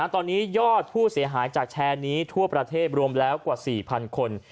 ตอนนี้ยอดผู้เสียหายจากแชร์นี้ทั่วประเทศรวมแล้วกว่า๔๐๐คน